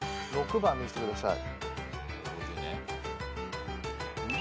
６番見してください。